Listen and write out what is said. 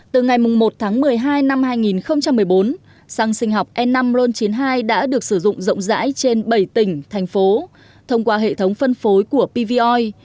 từ ngày một tháng một mươi hai năm hai nghìn một mươi bốn xăng sinh học e năm ron chín mươi hai đã được sử dụng rộng rãi trên bảy tỉnh thành phố thông qua hệ thống phân phối của pvoi